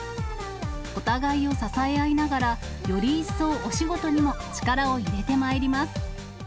お互いを支え合いながら、より一層お仕事にも力を入れてまいります。